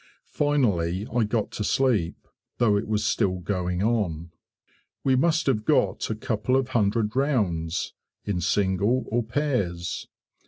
Finally I got to sleep, though it was still going on. We must have got a couple of hundred rounds, in single or pairs.